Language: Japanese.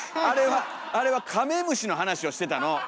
あれはあれはカメムシの話をしてたの！